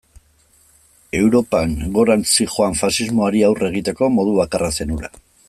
Europan gorantz zihoan faxismoari aurre egiteko modu bakarra zen hura.